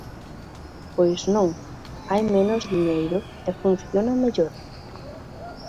Pois non, hai menos diñeiro e funciona mellor.